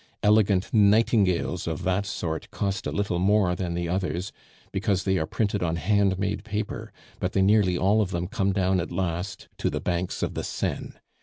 Elegant 'nightingales' of that sort cost a little more than the others, because they are printed on hand made paper, but they nearly all of them come down at last to the banks of the Seine.